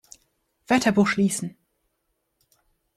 Wörterbuch schließen!